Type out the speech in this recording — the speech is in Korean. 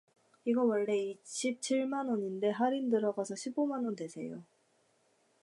이거 원래는 이십칠만 원인데 할인 들어가서 십오만 원 되세요.